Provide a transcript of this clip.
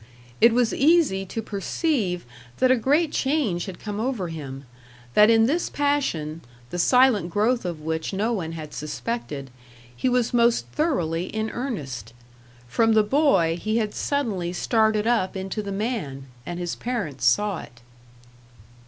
It was easy to perceive that a great change had come over him; that in this passion, the silent growth of which no one had suspected, he was most thoroughly in earnest. From the boy he had suddenly started up into the man; and his parents saw it.